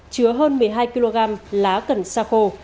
chứa hơn một mươi hai kg lá cần xa khổ